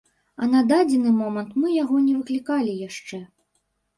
І на дадзены момант мы яго не выклікалі яшчэ.